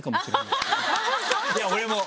いや俺も！